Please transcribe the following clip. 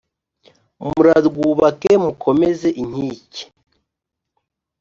murarwubake mukomeze inkike